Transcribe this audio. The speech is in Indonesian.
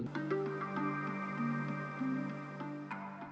saya mau jalan